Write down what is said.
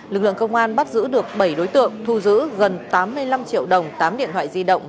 lực lượng công an bắt giữ được bảy đối tượng thu giữ gần tám mươi năm triệu đồng